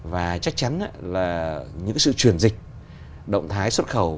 và chắc chắn là những sự chuyển dịch động thái xuất khẩu